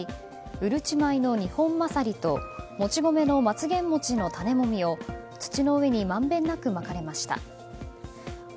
うるち米のニホンマサリともち米のマンゲツモチの種もみを土の上にまんべんなくまかれました。